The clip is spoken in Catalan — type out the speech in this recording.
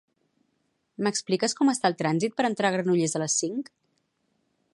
M'expliques com està el trànsit per entrar a Granollers a les cinc?